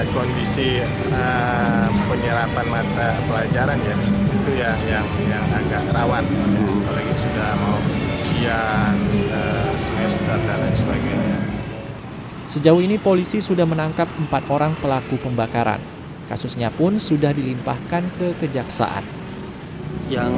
kondisi penyerapan mata pelajaran itu yang agak rawan